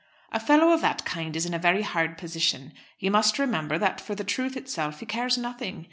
"A fellow of that kind is in a very hard position. You must remember that for the truth itself he cares nothing.